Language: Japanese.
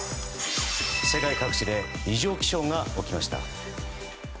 世界各地で異常気象が起きました。